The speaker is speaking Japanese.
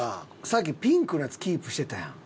さっきピンクのやつキープしてたやん。